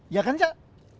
ya kan jak